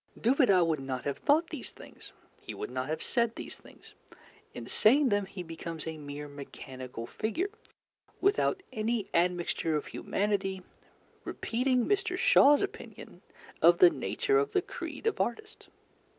Dubedat would not have thought these things, he would not have said these things; in saying them he becomes a mere mechanical figure, without any admixture of humanity, repeating Mr. Shaw's opinion of the nature of the creed of artists.